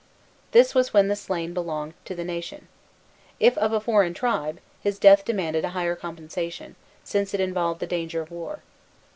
This was when the slain belonged to the nation. If of a foreign tribe, his death demanded a higher compensation, since it involved the danger of war.